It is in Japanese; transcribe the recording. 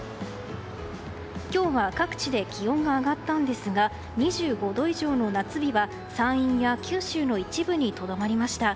今日は各地で気温が上がったんですが２５度以上の夏日は山陰や九州の一部にとどまりました。